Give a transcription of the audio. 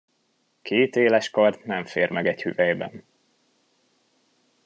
Két éles kard nem fér meg egy hüvelyben.